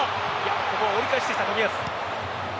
ここは折り返してきた冨安。